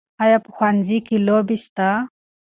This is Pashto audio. آیا په ښوونځي کې لوبې سته؟